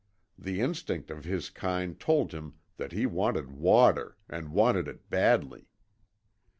The instinct of his kind told him that he wanted water, and wanted it badly.